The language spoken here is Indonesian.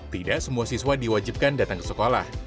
tidak semua siswa diwajibkan datang ke sekolah